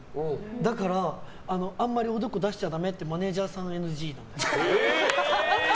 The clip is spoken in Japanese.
だからあまりおでこ出しちゃダメってマネジャーさんＮＧなんです。